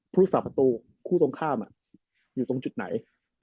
พุทธศาสประตูคู่ตรงข้ามอยู่ตรงจุดไหน